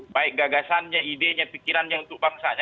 baik gagasannya idenya pikirannya untuk bangsanya